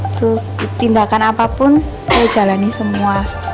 terus tindakan apapun saya jalani semua